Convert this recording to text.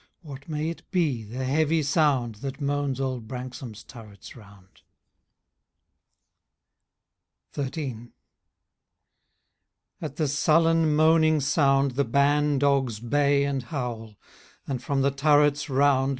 What may it be, the heavy sound. That moans old Branksome^s turrets round ? XIII. At the sullen, moaning sound. The ban dogs bay and howl ; And, from the turrets round.